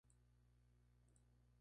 No, la primera película de la serie.